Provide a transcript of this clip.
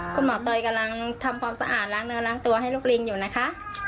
เตยกำลังทำความสะอาดล้างเนื้อล้างตัวให้ลูกลิงอยู่นะคะ